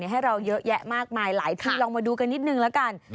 ให้เราเยอะแยะมากมายหลายทีลองมาดูกันนิดนึงแล้วกัน